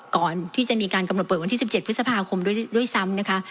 ก่อนที่จะมีการกำหนดเปิดวันที่๑๗พฤษภาคมด้วยซ้ำนะคะ